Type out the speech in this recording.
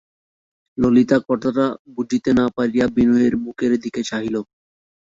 ললিতা কথাটা বুঝিতে না পারিয়া বিনয়ের মুখের দিকে চাহিল।